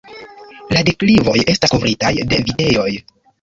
La deklivoj estas kovritaj de vitejoj.